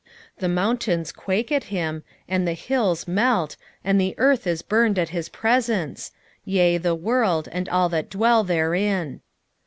1:5 The mountains quake at him, and the hills melt, and the earth is burned at his presence, yea, the world, and all that dwell therein.